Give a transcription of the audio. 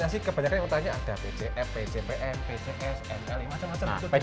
biasanya sih kebanyakan yang ditanya ada pcf pcpm pcs etc